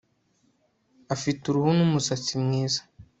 Afite uruhu n umusatsi mwiza